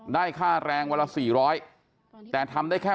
ได้ค่าแรงวันละ๔๐๐แต่ทำได้แค่